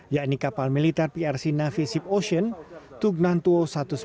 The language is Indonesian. yakni kapal militer prc navi ship ocean tugnantuo satu ratus sembilan puluh lima